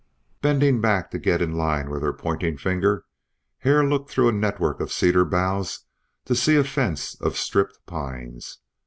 Bending back to get in line with her pointing finger Hare looked through a network of cedar boughs to see a fence of stripped pines.